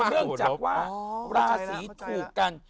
เรื่องจากว่าลาสีสิงค์ถูกกัน